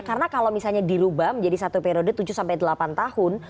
karena kalau misalnya dilubah menjadi satu periode tujuh sampai delapan tahun